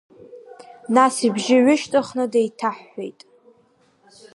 Нас ибжьы ҩышьҭхны деиҭаҳәҳәеит.